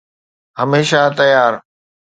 هميشه تيار